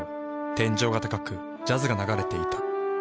天井が高くジャズが流れていた。